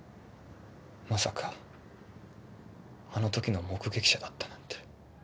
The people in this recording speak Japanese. まさかあの時の目撃者だったなんて。